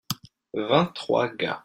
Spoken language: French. vingt trois gars.